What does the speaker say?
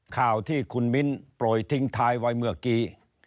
ข่าวที่คุณมิ้นโปรยทิ้งท้ายไว้เมื่อกี้